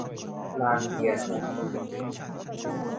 ลานเบียร์ครับ